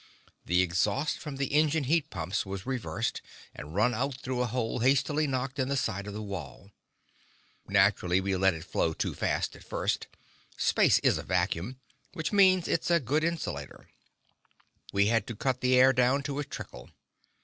The exhaust from the engine heat pumps was reversed, and run out through a hole hastily knocked in the side of the wall. Naturally, we let it flow too fast at first. Space is a vacuum, which means it's a good insulator. We had to cut the air down to a trickle.